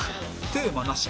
テーマなし。